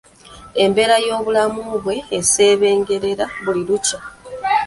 Embeera y'obulamu bwe esebengerera buli lukya.